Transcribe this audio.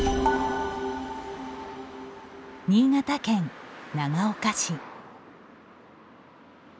新潟県長岡市。